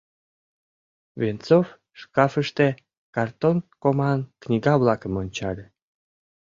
— Венцов шкафыште картон коман книга-влакым ончале.